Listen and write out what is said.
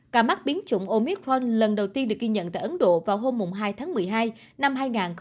ca mắc biến chủng omicron lần đầu tiên được ghi nhận tại ấn độ vào hôm hai tháng một mươi hai năm hai nghìn hai mươi một